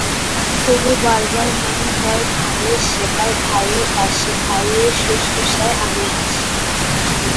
তবু বারবার মনে হয়, ভাইয়ের সেবায়, ভাইয়ের পাশে, ভাইয়ের শুশ্রূষায় আমি আছি।